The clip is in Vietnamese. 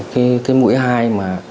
cái mũi hai mà